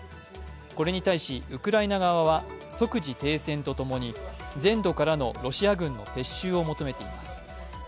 これに対し、ウクライナ側は即時停戦とともに全土からのロシア軍の撤収を求めています。